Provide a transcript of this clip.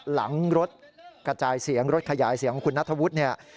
หลังรถกระจายเสียงรถขยายเสียงของคุณนัทธวุฒิเนี่ย